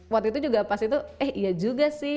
waktu itu juga pas itu eh iya juga sih